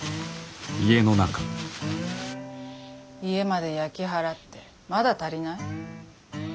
家まで焼き払ってまだ足りない？